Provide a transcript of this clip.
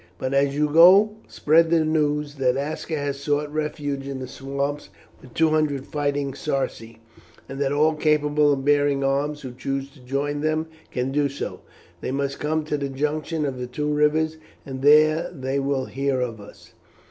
But as you go spread the news that Aska has sought refuge in the swamps with two hundred fighting Sarci, and that all capable of bearing arms who choose to join them can do so. They must come to the junction of the two rivers, and there they will hear of us."